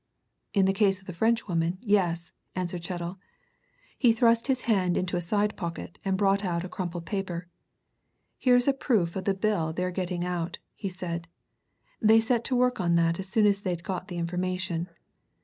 "In the case of the Frenchwoman, yes," answered Chettle. He thrust his hand into a side pocket and brought out a crumpled paper. "Here's a proof of the bill they're getting out," he said. "They set to work on that as soon as they'd got the information.